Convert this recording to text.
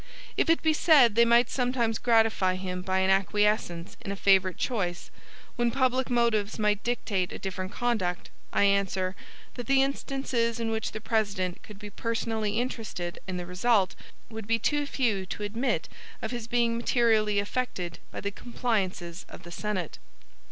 If it be said they might sometimes gratify him by an acquiescence in a favorite choice, when public motives might dictate a different conduct, I answer, that the instances in which the President could be personally interested in the result, would be too few to admit of his being materially affected by the compliances of the Senate.